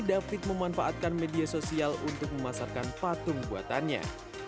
david memanfaatkan media sosial untuk memasarkan patung buatannya